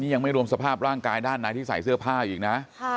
ยังไม่รวมสภาพร่างกายด้านในที่ใส่เสื้อผ้าอีกนะ